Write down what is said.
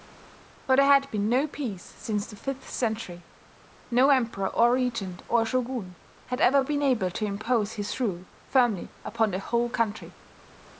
For there had been no peace since the fifth century. No emperor or regent or shogun had ever been able to impose his rule firmly upon the whole country.